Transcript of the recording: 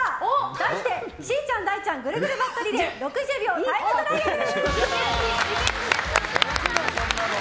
題して、しーちゃんだいちゃんぐるぐるバットリレー６０秒タイムトライアル。